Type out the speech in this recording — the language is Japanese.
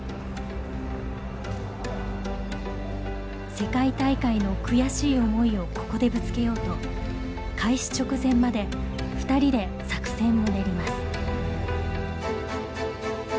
世界大会の悔しい思いをここでぶつけようと開始直前まで２人で作戦を練ります。